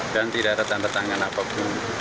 dan tidak ada tanda tangan apapun